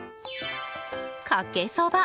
かけそば！